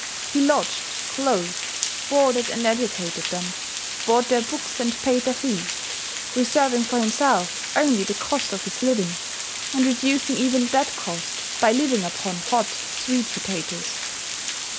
He lodged, clothed, boarded, and educated them, bought their books, and paid their fees, reserving for himself only the cost of his living, and reducing even that cost by living upon hot sweet potatoes.